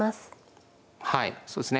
はいそうですね